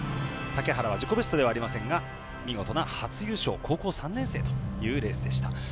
竹原は自己ベストではありませんが見事な初優勝高校３年生でというレースでした。